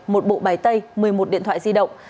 một bộ bài tay một mươi một điện thoại di động